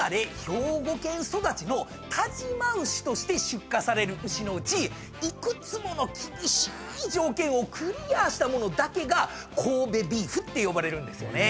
兵庫県育ちの但馬牛として出荷される牛のうち幾つもの厳しい条件をクリアしたものだけが神戸ビーフって呼ばれるんですよね。